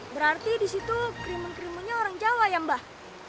berarti di situ krimun krimunnya orang jawa ya mbak